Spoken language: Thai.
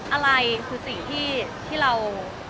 อะไรคือสิ่งที่เรา